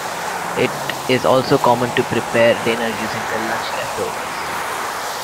It is also common to prepare dinner using the lunch leftovers.